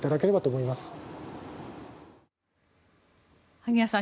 萩谷さん